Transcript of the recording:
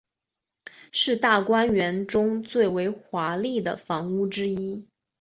是大观园中最为华丽的房屋之一。